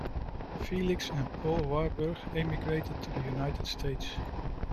Felix and Paul Warburg emigrated to the United States.